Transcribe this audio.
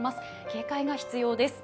警戒が必要です。